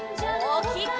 おおきく！